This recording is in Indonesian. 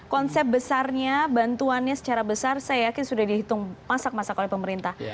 konsep besarnya bantuannya secara besar saya yakin sudah dihitung masak masak oleh pemerintah